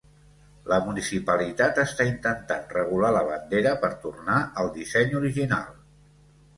La municipalitat està intentant regular la bandera per tornar al disseny original.